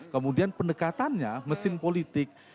kemudian pendekatannya mesin politik